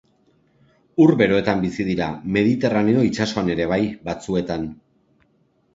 Ur beroetan bizi dira, Mediterraneo itsasoan ere bai, batzuetan.